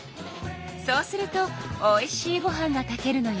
そうするとおいしいご飯が炊けるのよ。